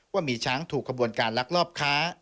ว่ามีช้างถูกขบวนการลักลอบค้า